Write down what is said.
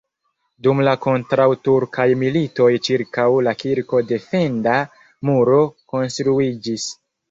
Dum la kontraŭturkaj militoj ĉirkaŭ la kirko defenda muro konstruiĝis.